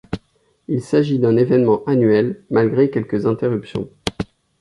Il s’agit d’un événement annuel, malgré quelques interruptions.